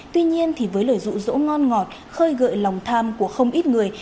tuy nhiên với lời rụ rỗ ngon ngọt khơi gợi lòng tham của không ít người